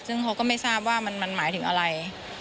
ซึ่งเขาก็ไม่ทราบว่ามันหมายถึงอะไร